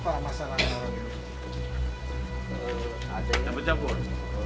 ada yang berjabur jabur